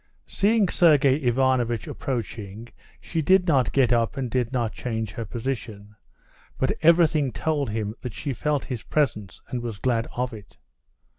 Seeing Sergey Ivanovitch approaching, she did not get up and did not change her position, but everything told him that she felt his presence and was glad of it.